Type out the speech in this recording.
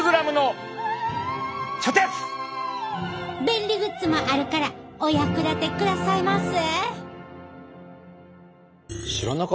便利グッズもあるからお役立てくださいませ。